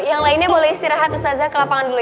yang lainnya boleh istirahat ustazah ke lapangan dulu ya